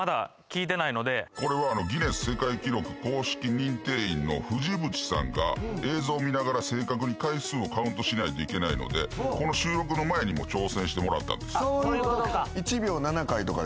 これはギネス世界記録公式認定員の藤渕さんが映像を見ながら正確に回数をカウントしないといけないのでこの収録の前にもう挑戦してもらったんです。